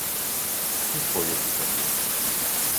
¿Que foi o que cambiou?